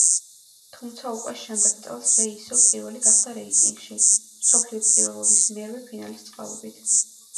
თუმცა, უკვე შემდეგ წელს რეი ისევ პირველი გახდა რეიტინგში, მსოფლიო პირველობის მერვე ფინალის წყალობით.